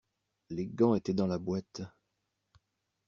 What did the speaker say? Les gants étaient dans la boîte.